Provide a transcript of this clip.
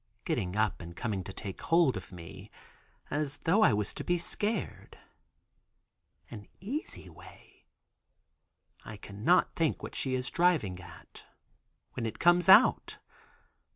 getting up and coming to take hold of me, as though I was to be scared. "An easy way." I cannot think what she is driving at, when it comes out.